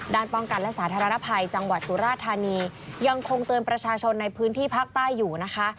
ป้องกันและสาธารณภัยจังหวัดสุราธานียังคงเตือนประชาชนในพื้นที่ภาคใต้อยู่นะคะ